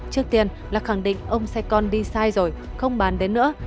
trước tiên là khẳng định ông xe con đi sai rồi không bàn đến nữa